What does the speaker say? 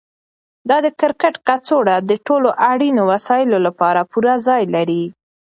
دا د کرکټ کڅوړه د ټولو اړینو وسایلو لپاره پوره ځای لري.